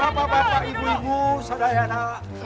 bapak bapak ibu ibu saudara